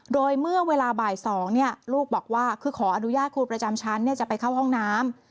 โดยเมื่อเวลาบ่าย๒ลูกบอกว่าคือขออนุญาตครูประจำชั้นจะไปเข้าห้องน้ำ